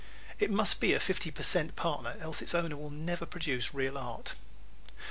It must be a fifty per cent partner, else its owner will never produce real art.